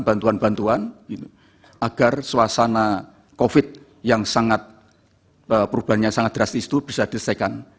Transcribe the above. bantuan bantuan agar suasana covid yang sangat perubahannya sangat drastis itu bisa diselesaikan